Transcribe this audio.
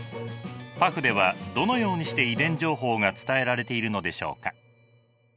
パフではどのようにして遺伝情報が伝えられているのでしょうか。